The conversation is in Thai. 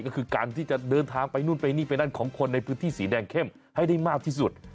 ก็คือการที่จะเดินทางไปนู่นไปนี่ไปนั่นของคนในพื้นที่สีแดงเข้มให้ได้มากที่สุด